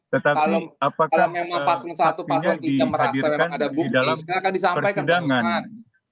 tetapi apakah saksinya dihadirkan di dalam persidangan